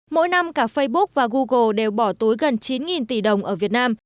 mỗi năm cả facebook và google đều bỏ tối gần chín tỷ đồng ở việt nam